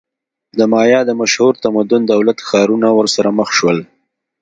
د مایا د مشهور تمدن دولت-ښارونه ورسره مخ شول.